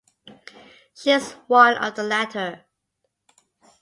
She is one of the latter.